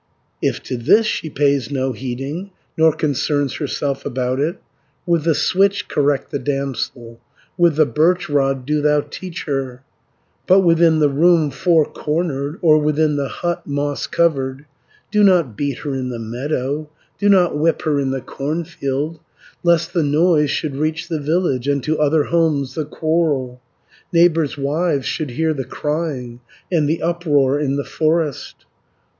"If to this she pays no heeding, Nor concerns herself about it, With the switch correct the damsel, With the birch rod do thou teach her, 240 But within the room four cornered, Or within the hut moss covered. Do not beat her in the meadow, Do not whip her in the cornfield, Lest the noise should reach the village, And to other homes the quarrel, Neighbours' wives should hear the crying, And the uproar in the forest.